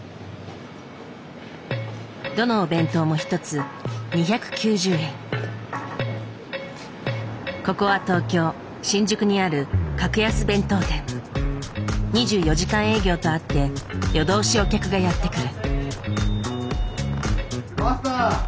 どのお弁当も一つここは東京・新宿にある２４時間営業とあって夜通しお客がやって来る。